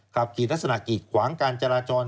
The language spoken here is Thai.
ขับขี่ลักษณะกีดขวางการจราจร